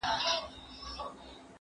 زه هره ورځ د سبا لپاره د ژبي تمرين کوم،